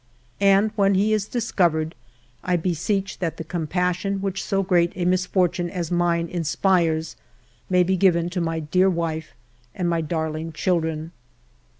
" And when he is discovered, I beseech that the compassion which so great a misfortune as mine inspires may be given to my dear wife and my darling children."